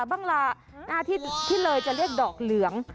บ้างล่ะที่เลยจะเรียกดอกเหลือง